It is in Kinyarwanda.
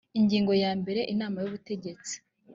ingingo ya mbere inama y ubutegetsi